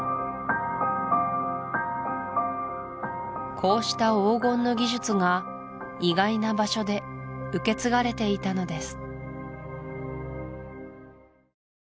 こうした黄金の技術が意外な場所で受け継がれていたのです